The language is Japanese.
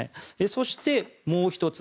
そして、もう１つ。